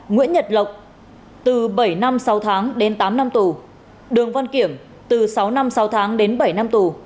nguyễn nhật lộc từ bảy năm sáu tháng đến tám năm tù đường văn kiểm từ sáu năm sáu tháng đến bảy năm tù